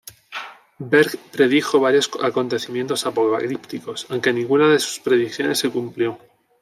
Berg predijo varios acontecimientos apocalípticos, aunque ninguna de sus predicciones se cumplió.